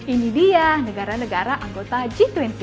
ini dia negara negara anggota g dua puluh